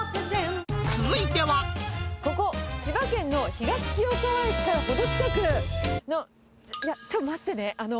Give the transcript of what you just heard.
ここ、千葉県の東清川駅から程近くの、いや、ちょっと待ってね、あの、